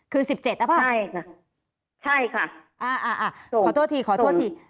คือสิบเจ็ดนะคะใช่ค่ะใช่ค่ะอ่าอ่าขอโทษทีขอโทษที